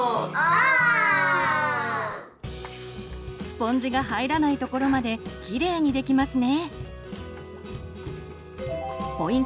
スポンジが入らないところまでキレイにできますね。